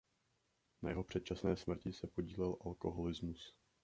Na jeho předčasné smrti se podílel alkoholismus.